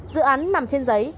dự án nằm trên giấy